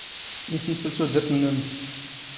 ⵉⵙⵏⴼⵍ ⵜⵓⴷⵔⵜ ⵏⵏⵓⵏⵜ.